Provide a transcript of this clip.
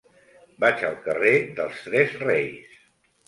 Vaig al carrer dels Tres Reis.